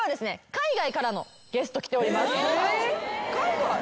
海外？